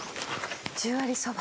十割そば。